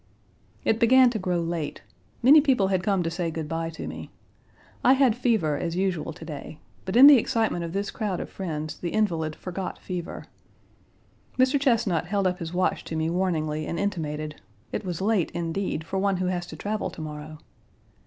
It began to grow late. Many people had come to say good by to me. I had fever as usual to day, but in the excitement of this crowd of friends the invalid forgot fever. Mr. Chesnut held up his watch to me warningly and intimated "it was late, indeed, for one who has to travel tomorrow."